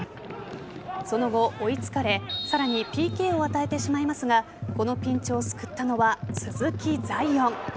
その後、追いつかれさらにＰＫを与えてしまいますがこのピンチを救ったのは鈴木彩艶。